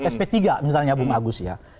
sp tiga misalnya bu magus ya